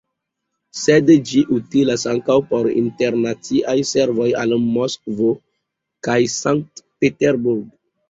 Sed ĝi utilas ankaŭ por internaciaj servoj al Moskvo kaj Sankt-Peterburgo.